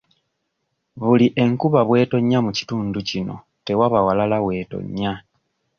Buli enkuba bw'etonnya mu kitundu kino tewaba walala w'etonnya.